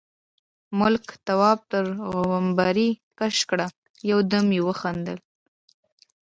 ملک، تواب تر غومبري کش کړ، يو دم يې وخندل: